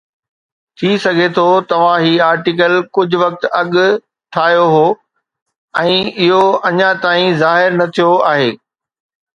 ٿي سگهي ٿو توهان هي آرٽيڪل ڪجهه وقت اڳ ٺاهيو هو ۽ اهو اڃا تائين ظاهر نه ٿيو آهي